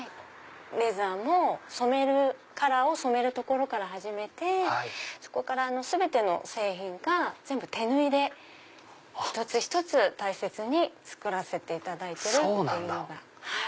レザーもカラーを染めるところから始めてそこから全ての製品が全部手縫いで一つ一つ大切に作らせていただいてるのが。